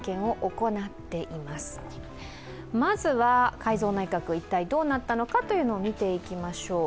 まずは、改造内閣一体どうなったのか見ていきましょう。